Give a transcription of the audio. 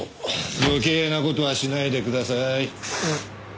余計な事はしないでください。